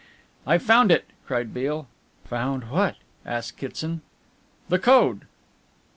"I've found it!" cried Beale. "Found what?" asked Kitson. "The code!"